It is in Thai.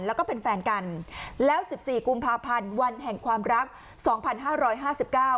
แล้วก็เป็นแฟนกันแล้วสิบสี่กุมภาพันธ์วันแห่งความรักสองพันห้าร้อยห้าสิบเก้า